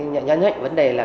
nhắn nhạy vấn đề là